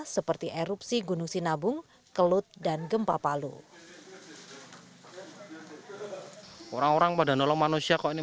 seperti erupsi gunung sinabung kelut dan gempa palu orang